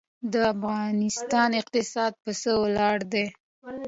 د افغانستان اقتصاد پر څه ولاړ دی؟